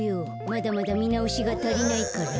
まだまだみなおしがたりないから。